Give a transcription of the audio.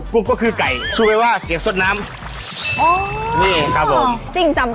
กุ๊กก็คือไก่ซูหมายว่าเสียสดน้ำ